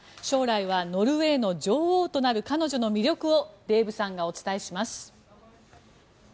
将来はノルウェーの女王となる彼女の魅力をデーブさんがお伝えします。